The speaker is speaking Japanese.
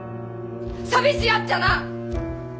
寂しやっちゃなあ！